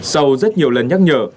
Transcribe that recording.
sau rất nhiều lần nhắc nhở